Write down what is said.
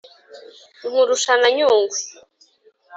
Nkurusha na Nyungwe,